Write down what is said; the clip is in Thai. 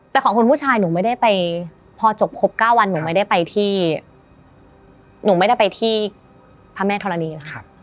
แต่ของคนผู้ชายหนูไม่ได้ไปพอจบครบ๙วันหนูไม่ได้ไปที่พระแม่ทรณีย์